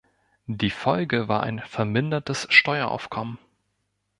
Die Folge war ein vermindertes Steueraufkommen.